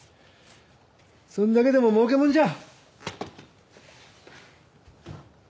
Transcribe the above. そんだけでも儲けもんじゃ。